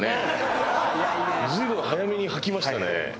随分早めに吐きましたね。